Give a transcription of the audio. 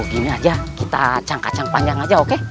gini saja kita cangkacang panjang saja oke